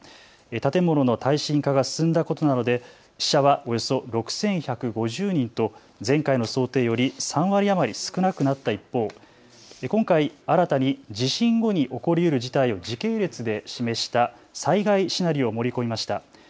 建物の耐震化が進んだことなどで死者はおよそ６１５０人と前回の想定より３割余り少なくなった一方、今回、新たに地震後に起こりうる事態を時系列で示した災害シナリオを盛り込みました。